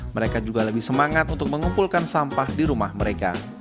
mereka juga lebih semangat untuk mengumpulkan sampah di rumah mereka